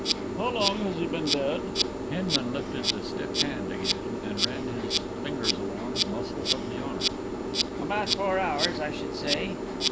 "How long has he been dead?" Hinman lifted the stiff hand again and ran his fingers along the muscles of the arm. "About four hours, I should say."